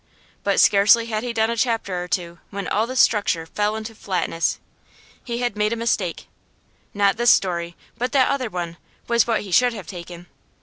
But scarcely had he done a chapter or two when all the structure fell into flatness. He had made a mistake. Not this story, but that other one, was what he should have taken.